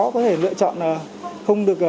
có thể lựa chọn không được